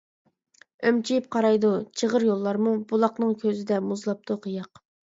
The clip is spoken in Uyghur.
ئۈمچىيىپ قارايدۇ چىغىر يوللارمۇ، بۇلاقنىڭ كۆزىدە مۇزلاپتۇ قىياق.